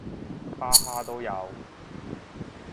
巴哈都有